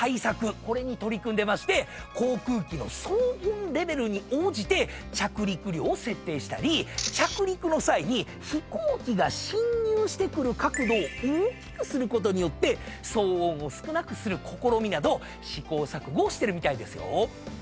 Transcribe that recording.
これに取り組んでまして航空機の騒音レベルに応じて着陸料を設定したり着陸の際に飛行機が進入してくる角度を大きくすることによって騒音を少なくする試みなど試行錯誤をしてるみたいですよ。